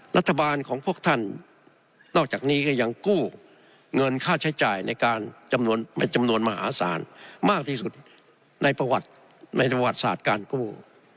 รัฐบาลของพวกท่านนอกจากนี้ก็ยังกู้เงินค่าใช้จ่ายในการจำนวนมหาศาลมากที่สุดในประวัติในประวัติศาสตร์การกู้